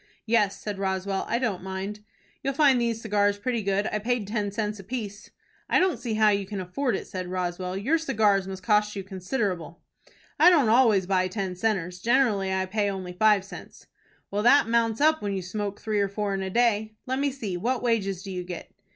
"Yes," said Roswell, "I don't mind." "You'll find these cigars pretty good. I paid ten cents apiece." "I don't see how you can afford it," said Roswell. "Your cigars must cost you considerable." "I don't always buy ten centers. Generally I pay only five cents." "Well, that mounts up when you smoke three or four in a day. Let me see, what wages do you get?"